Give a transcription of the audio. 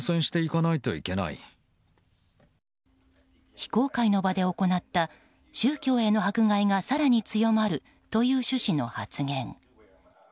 非公開の場で行った宗教への迫害が更に強まるという趣旨の発言。